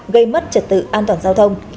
gây mất trật tự an toàn giao thông